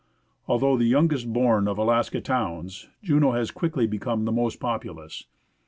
Although the youngest born of Alaskan towns, Juneau has quickly become the most populous.